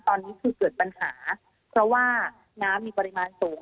ตอนนี้คือเกิดปัญหาเพราะว่าน้ำมีปริมาณสูง